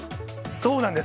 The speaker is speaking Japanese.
そうなんです。